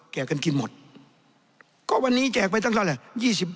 กันกินหมดก็วันนี้แจกไปตั้งเท่าไหร่